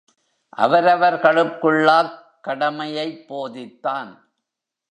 அவரவர்களுக்குள்ளாக் கடமையைப் போதித்தான்.